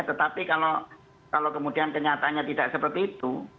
tetapi kalau kemudian kenyataannya tidak seperti itu